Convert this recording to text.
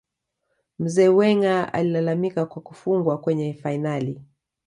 Mzee Wenger alilalamika kwa kufungwa kwenye fainali